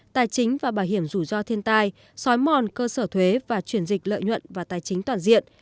tài chính và bảo hiểm rủi ro thiên tai xói mòn cơ sở thuế và chuyển dịch lợi nhuận và tài chính toàn diện